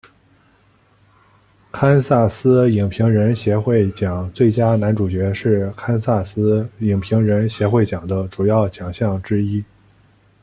堪萨斯影评人协会奖最佳男主角是堪萨斯影评人协会奖的主要奖项之一。